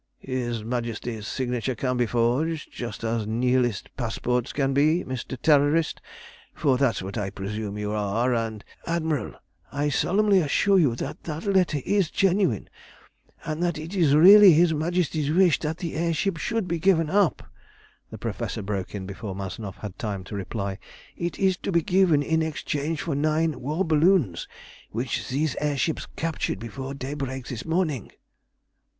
"His Majesty's signature can be forged, just as Nihilists' passports can be, Mr. Terrorist, for that's what I presume you are, and" "Admiral, I solemnly assure you that that letter is genuine, and that it is really his Majesty's wish that the air ship should be given up," the Professor broke in before Mazanoff had time to reply. "It is to be given in exchange for nine war balloons which these air ships captured before daybreak this morning."